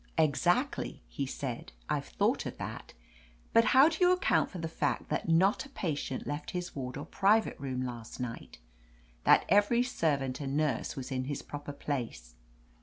"Exactly," he said. "I've thought of that, but how do you account for the fact that not a patient left his ward or private room last night? That every servant and nurse was in his proper place?